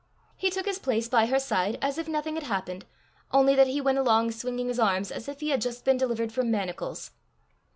He took his place by her side as if nothing had happened, only that he went along swinging his arms as if he had just been delivered from manacles.